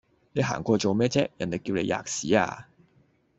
你行過去做咩啫？人地叫你喫屎呀！